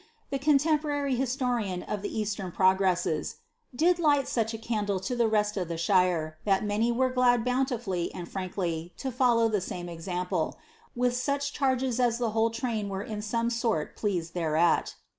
the coniemporary hj.slorian or ine eiisiern prn^res^cs, " did Jinhl su< h a candle lo llie rest of the aliire, ihai many w.Te glad bouiiliruliy and I'rankly lo follow the same example, wilh such charges as ihe Hhi>lc train were in some sort pleased thereat."